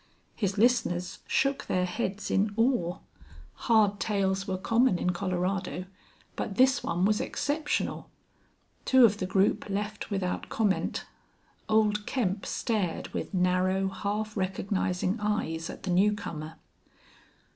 His listeners shook their heads in awe. Hard tales were common in Colorado, but this one was exceptional. Two of the group left without comment. Old Kemp stared with narrow, half recognizing eyes at the new comer.